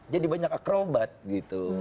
jadi banyak akrobat gitu